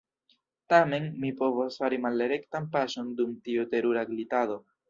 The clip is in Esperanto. Tamen, mi povos fari malrektan paŝon dum tiu terura glitado.